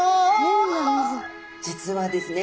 実はですね